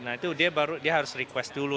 nah itu dia harus request dulu